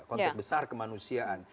konteks besar kemanusiaan